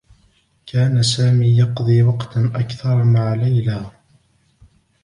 كان سامي يقضي وقتا أكثر مع ليلى.